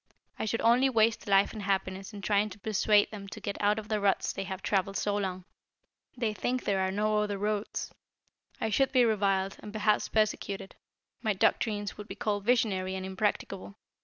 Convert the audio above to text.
I should only waste life and happiness in trying to persuade them to get out of the ruts they have traveled so long; they think there are no other roads. I should be reviled, and perhaps persecuted. My doctrines would be called visionary and impracticable.